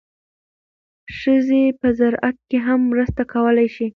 ښځې په زراعت کې هم مرسته کولی شي.